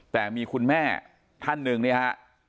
แต่มีคุณแม่ท่านหนึ่งเนี่ยฮะ